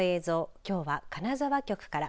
きょうは金沢局から。